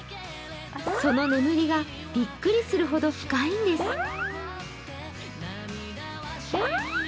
その眠りがびっくりするほど深いんです。